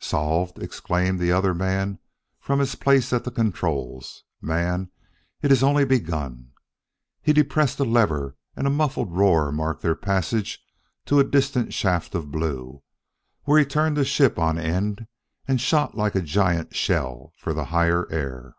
"Solved?" exclaimed the other from his place at the controls. "Man, it is only begun!" He depressed a lever, and a muffled roar marked their passage to a distant shaft of blue, where he turned the ship on end and shot like a giant shell for the higher air.